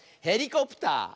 「ヘリコプター」！